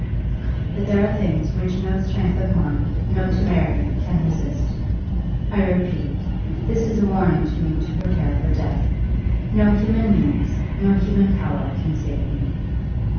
But there are things which no strength of mind, no temerity can resist. I repeat it this is a warning to me to prepare for death. No human means, no human power can save me!"